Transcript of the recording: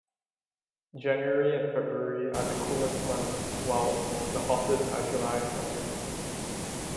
January and February are the coolest months while the hottest are July and August.